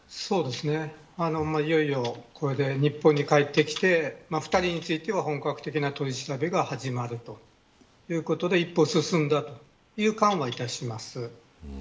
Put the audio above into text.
いよいよこれで日本にかえってきて２人については本格的な取り調べが始まるということで一歩進んだという感はいたします。